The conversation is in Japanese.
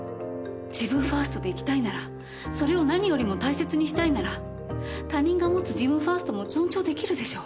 自分ファーストで生きたいならそれを何よりも大切にしたいなら他人が持つ自分ファーストも尊重できるでしょう？